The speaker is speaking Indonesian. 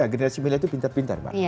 generasi miliar itu pintar pintar